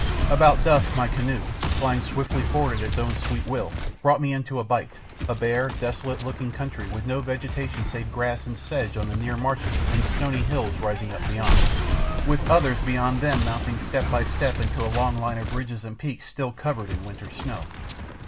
About dusk my canoe, flying swiftly forward at its own sweet will, brought me into a bight, a bare, desolate looking country with no vegetation save grass and sedge on the near marshes and stony hills rising up beyond, with others beyond them mounting step by step to a long line of ridges and peaks still covered in winter snow.